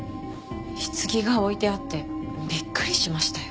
棺が置いてあってびっくりしましたよ。